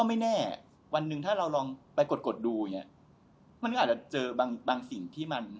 มันก็อาจจะเจอบางสิ่งที่มัน